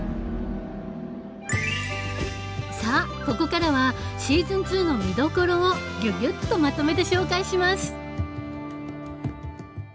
さあここからはシーズン２の見どころをギュギュッとまとめて紹介します。